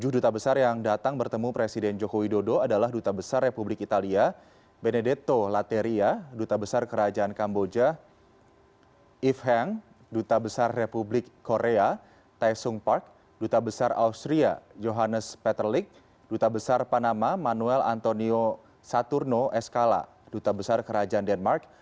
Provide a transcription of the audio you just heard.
tujuh duta besar yang datang bertemu presiden jokowi dodo adalah duta besar republik italia benedetto lateria duta besar kerajaan kamboja yves heng duta besar republik korea taesung park duta besar austria johannes peterlich duta besar panama manuel antonio saturno escala duta besar kerajaan denmark